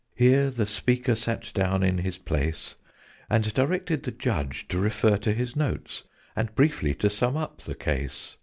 Here the speaker sat down in his place, And directed the Judge to refer to his notes And briefly to sum up the case.